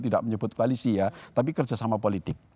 tidak menyebut koalisi ya tapi kerjasama politik